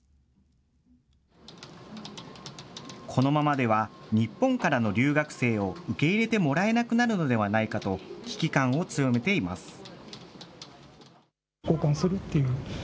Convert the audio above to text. このままでは日本からの留学生を受け入れてもらえなくなるのではないかと、危機感を強めています。